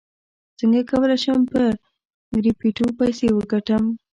څنګه کولی شم په کریپټو پیسې وګټم